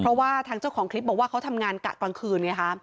เพราะว่าทางเจ้าของคลิปบอกว่าเขาทำงานกะกลางคืนไงคะ